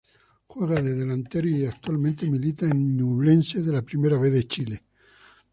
Juega de delantero y actualmente milita en Ñublense de la Primera B de Chile.